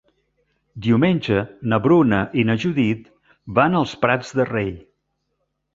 Diumenge na Bruna i na Judit van als Prats de Rei.